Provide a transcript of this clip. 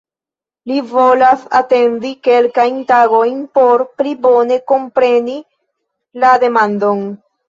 Li volas atendi kelkajn tagojn por "pli bone kompreni la demandon".